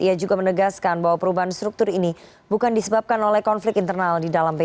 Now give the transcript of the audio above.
ia juga menegaskan bahwa perubahan struktur ini bukan disebabkan oleh konflik internal di dalam p tiga